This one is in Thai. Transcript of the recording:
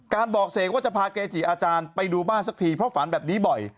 บอกเสกว่าจะพาเกจิอาจารย์ไปดูบ้านสักทีเพราะฝันแบบนี้บ่อย